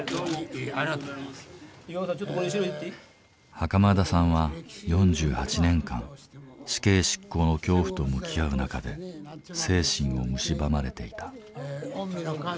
袴田さんは４８年間死刑執行の恐怖と向き合う中で精神をむしばまれていた。